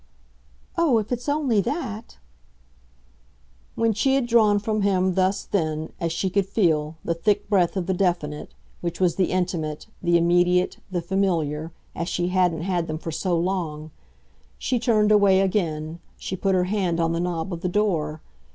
"Oh, if it's only that !" When she had drawn from him thus then, as she could feel, the thick breath of the definite which was the intimate, the immediate, the familiar, as she hadn't had them for so long she turned away again, she put her hand on the knob of the door.